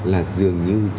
là dường như